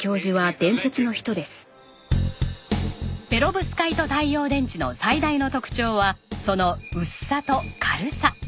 ペロブスカイト太陽電池の最大の特徴はその薄さと軽さ。